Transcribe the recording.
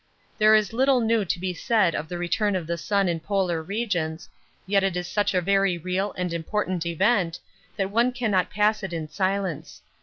There is little new to be said of the return of the sun in polar regions, yet it is such a very real and important event that one cannot pass it in silence.